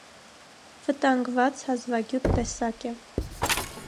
Վտանգված, հազվագյուտ տեսակ է։